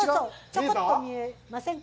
ちょこっと見えませんか？